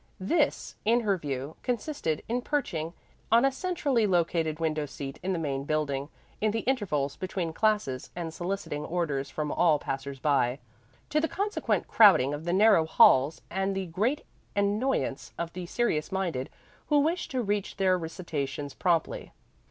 This, in her view, consisted in perching on a centrally located window seat in the main building, in the intervals between classes, and soliciting orders from all passers by, to the consequent crowding of the narrow halls and the great annoyance of the serious minded, who wished to reach their recitations promptly.